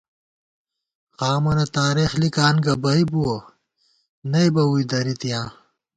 قامَنہ تارېخ لِکان گہ بئ بُوَہ نئ بہ ووئی درِی تِیاں